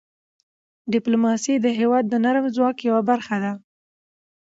ډيپلوماسي د هېواد د نرم ځواک یوه برخه ده.